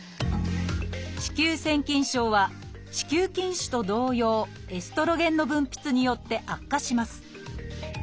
子宮腺筋症は子宮筋腫と同様エストロゲンの分泌によって悪化します